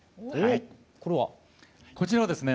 これは？こちらはですね